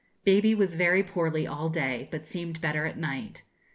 Baby was very poorly all day, but seemed better at night.